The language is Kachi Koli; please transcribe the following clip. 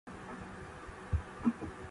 ۮُڪانَ مان ٿِي ۿاٻُو سڙيَ سي۔